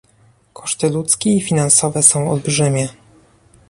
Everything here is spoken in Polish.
Koszty ludzkie i finansowe są olbrzymie